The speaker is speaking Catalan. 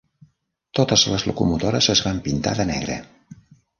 Totes les locomotores es van pintar de negre.